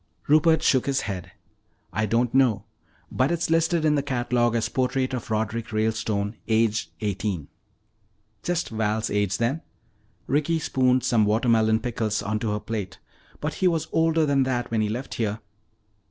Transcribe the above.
Rupert shook his head. "I don't know. But it's listed in the catalogue as 'Portrait of Roderick Ralestone, Aged Eighteen.'" "Just Val's age, then." Ricky spooned some watermelon pickles onto her plate. "But he was older than that when he left here."